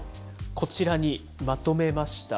こちらにまとめました。